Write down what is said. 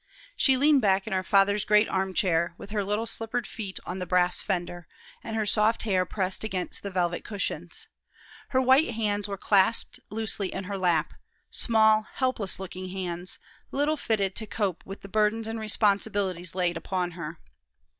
She leaned back in her father's great arm chair, with her little slippered feet on the brass fender, and her soft hair pressed against the velvet cushions. Her white hands were clasped loosely in her lap; small, helpless looking hands, little fitted to cope with the burdens and responsibilities laid upon her.